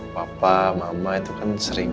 papa mama itu kan sering